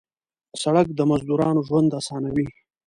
سړک د مزدورانو ژوند اسانوي.